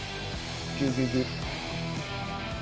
ギュギュギュ。